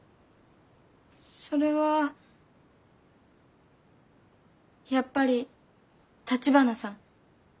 それはやっぱり橘さん。